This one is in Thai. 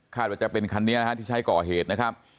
ว่าจะเป็นคันนี้นะฮะที่ใช้ก่อเหตุนะครับ